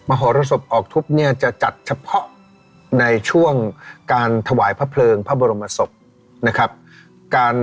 มหรสบออกทุกข์เนี่ยจะจัดเฉพาะ